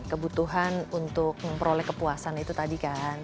kebutuhan untuk memperoleh kepuasan itu tadi kan